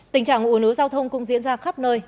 tình trạng ủn ứ giao thông cũng diễn ra khắp nơi